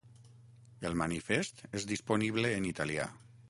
El manifest és disponible en italià.